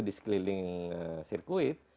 di sekeliling sirkuit